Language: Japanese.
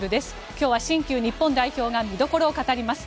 今日は新旧日本代表が見どころを語ります。